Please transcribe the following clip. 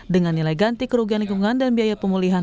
dengan nilai ganti kerugian lingkungan dan biaya pemulihan